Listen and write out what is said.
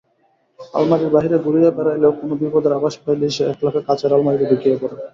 আলমারির বাহিরে ঘুরিয়া বেড়াইলেও কোন বিপদের আভাস পাইলেই সে একলাফে কাঁচের আলমারিতে ঢুকিয়া পড়ে।